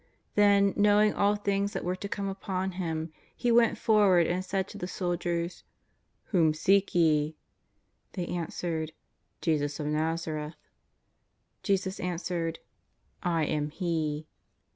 Then, knowing all things that were to come upon Him, He went forward and said to the soldiers :" Whom seek ye ?" They answered :" Jesus of Nazareth." Jesus answered :" I am He."